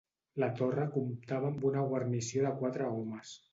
La Torre comptava amb una guarnició de quatre homes.